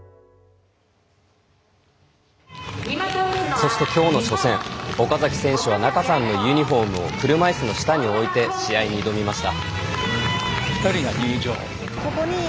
そしてきょうの初戦岡崎選手は仲さんのユニホームを車いすの下に置いて試合に挑みました。